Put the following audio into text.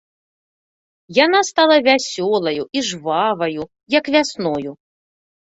Яна стала вясёлаю і жваваю, як вясною.